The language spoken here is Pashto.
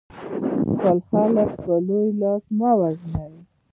خپل خلک په لوی لاس مه وژنئ.